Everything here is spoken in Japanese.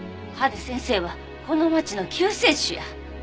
陽先生はこの町の救世主や。